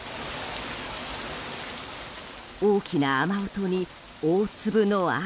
大きな雨音に、大粒の雨。